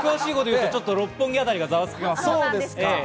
六本木辺りがざわつきます。